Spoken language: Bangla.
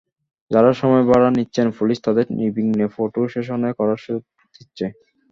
যাঁরা সময় ভাড়া নিচ্ছেন, পুলিশ তাঁদের নির্বিঘ্নে ফটোসেশন করার সুযোগ দিচ্ছে।